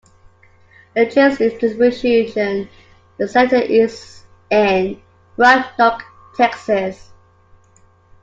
The chain's distribution center is in Roanoke, Texas.